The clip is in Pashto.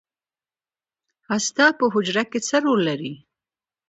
هسته په حجره کې څه رول لري؟